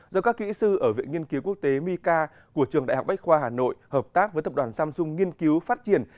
đại học bách khoa hà nội hợp tác với tập đoàn samsung nghiên cứu phát triển